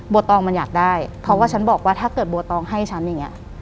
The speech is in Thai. ตองมันอยากได้เพราะว่าฉันบอกว่าถ้าเกิดบัวตองให้ฉันอย่างนี้